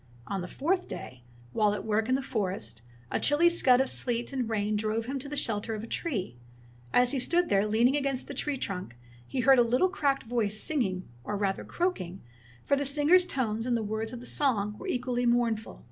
On the fourth day, while at work in the for est, a chilly scud of sleet and rain drove him to the shelter of a tree. As he stood there leaning against the tree trunk he heard a little cracked voice singing, or rather croaking, for the singer's tone and the words of the 28 Fairy Tale Bears song were equally mournful.